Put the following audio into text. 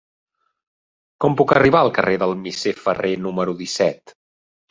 Com puc arribar al carrer del Misser Ferrer número disset?